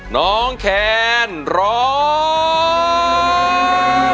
น้องแคนร้อง